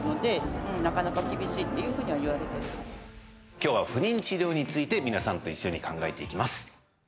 今日は不妊治療について皆さんと一緒に考えていきます。